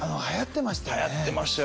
はやってましたね。